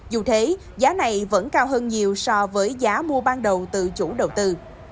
dù thế giá này vẫn cao hơn nhiều so với giá mua ban đầu từ chủ đầu tư